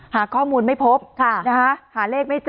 หาข้อมูลไม่พบหาเลขไม่เจอ